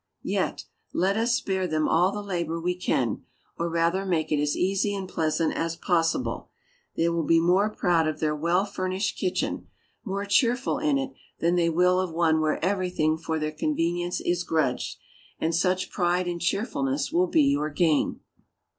Yet, let us spare them all the labor we can, or rather make it as easy and pleasant as possible; they will be more proud of their well furnished kitchen, more cheerful in it, than they will of one where everything for their convenience is grudged, and such pride and cheerfulness will be your gain.